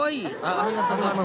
ありがとうございます